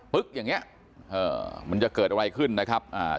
อย่างเงี้เอ่อมันจะเกิดอะไรขึ้นนะครับอ่า